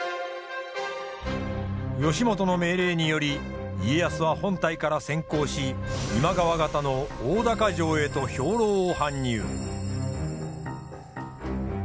義元の命令により家康は本隊から先行し今川方の大高城へと兵糧を搬入。